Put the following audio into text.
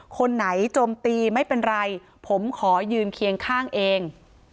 คนไหนโจมตีไม่เป็นไรผมขอยืนเคียงข้างเอง